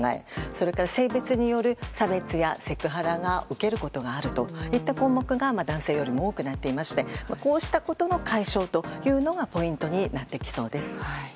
それから、性別による差別やセクハラを受けることがあるといった項目が男性よりも多くなっていましてこうしたことの解消がポイントになってきそうです。